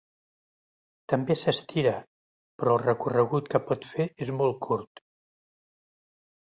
També s'estira, però el recorregut que pot fer és molt curt.